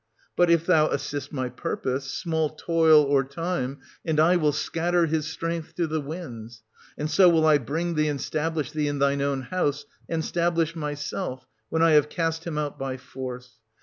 But, if thou assist my purpose, small toil or time, and I will scatter his strength to the winds: and so will I bring thee and stablish thee in thine own house, and stablish myself, when I have cast him out by force.